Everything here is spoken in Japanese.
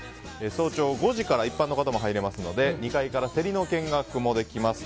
早朝５時から一般の方も入れますので２階からセリの見学もできます。